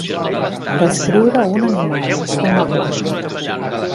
Descriure un animal, una planta.